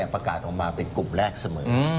ประกาศออกมาเป็นกลุ่มแรกเสมอ